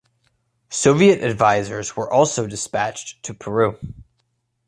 Soviet advisors were also dispatched to Peru.